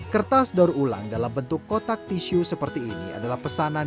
kertas daur ulang dalam bentuk kotak tisu seperti ini adalah pesanan